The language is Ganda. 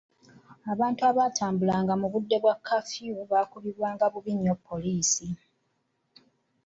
Abantu abaatambulanga mu budde bwa kafyu baakubibwanga bubi nnyo abapoliisi.